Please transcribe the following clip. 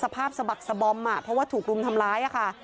สภาพสะบักสะบอมเพราะว่าถูกรุมทำร้ายค่ะ